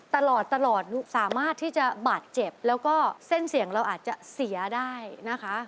ตลอดตลอดสามารถที่จะบาดเจ็บแล้วก็เส้นเสี่ยงเราอาจจะเสียได้นะคะ